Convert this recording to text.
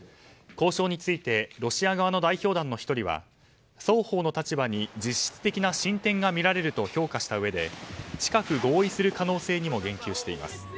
交渉についてロシア側の代表団の１人は双方の立場に実質的な進展が見られると評価したうえで近く合意する可能性にも言及しています。